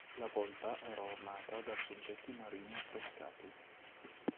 La volta era ornata da soggetti marini affrescati.